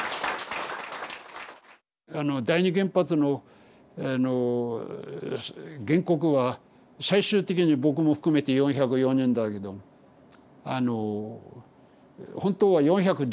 あの第二原発の原告は最終的に僕も含めて４０４人だけどあの本当は４１１人いたんです。